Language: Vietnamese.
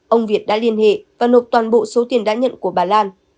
ông việt đã liên hệ và nộp toàn bộ số tiền đã nhận của bà lan